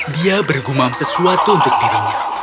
dia bergumam sesuatu untuk dirinya